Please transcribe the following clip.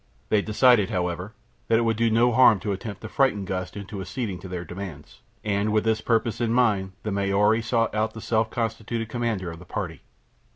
They decided, however, that it would do no harm to attempt to frighten Gust into acceding to their demands, and with this purpose in mind the Maori sought out the self constituted commander of the party.